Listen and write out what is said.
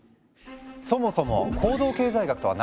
そもそも行動経済学とは何なのか。